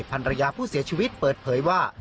ภรรยาผู้เสียชีวิตเปิดเผยว่า